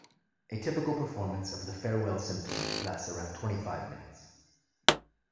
A typical performance of the "Farewell" Symphony lasts around twenty-five minutes.